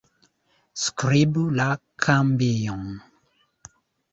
Skribu la kambion.